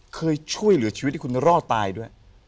เคยช่วยเหลือชีวิตให้คุณรอดตายด้วย